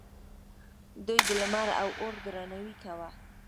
دوی د لمر او اور درناوی کاوه